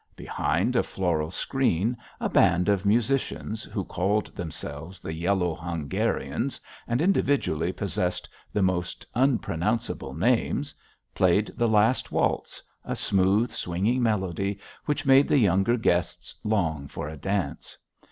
Behind a floral screen a band of musicians, who called themselves the Yellow Hungarians, and individually possessed the most unpronounceable names, played the last waltz, a smooth, swinging melody which made the younger guests long for a dance.